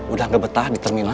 udah ngebetah di terminalnya